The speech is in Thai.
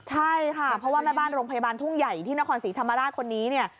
ใช่ค่ะเพราะว่าแม่บ้านโรงพยาบาลทุ่งใหญ่ที่นครศรีธรรมราชคนนี้เนี่ย